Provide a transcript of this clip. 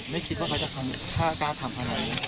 ไม่คิดว่าเขาจะกล้าทำอะไร